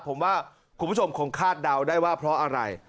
ผมว่าคุณผู้ชมคงคาดเดาได้ว่าเพราะอะไร